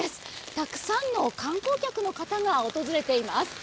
たくさんの観光客の方が訪れています。